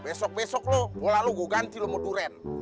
besok besok lu bola lu gua ganti lu mau duren